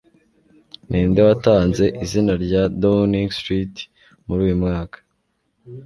Ninde watanze izina rya Downing Street muri uyu mwaka?